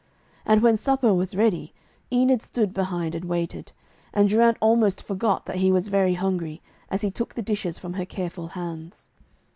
And when supper was ready, Enid stood behind, and waited, and Geraint almost forgot that he was very hungry, as he took the dishes from her careful hands.